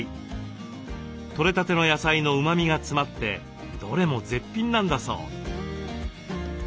取れたての野菜のうまみが詰まってどれも絶品なんだそう。